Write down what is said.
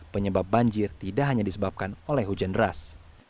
penyebab banjir tidak hanya disebabkan oleh hujan deras